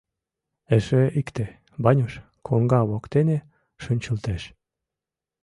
Эше икте, Ванюш, коҥга воктене шинчылтеш.